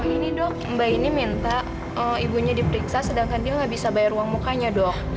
ini dok mbak ini minta ibunya diperiksa sedangkan dia nggak bisa bayar uang mukanya dok